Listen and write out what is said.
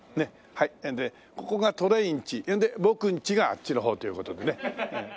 ここがトレインチで僕んちがあっちの方という事でね。